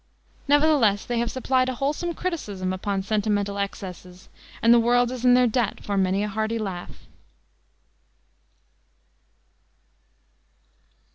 Nevertheless they have supplied a wholesome criticism upon sentimental excesses, and the world is in their debt for many a hearty laugh.